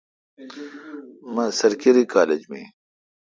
می سرکیری کالج می این۔